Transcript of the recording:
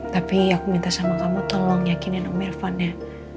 tapi aku minta sama kamu tolong yakinin om irfan ya